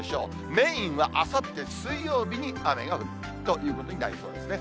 メインはあさって水曜日に雨が降るということになりそうですね。